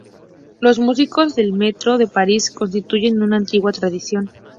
Los músicos del metro de París constituyen una antigua tradición.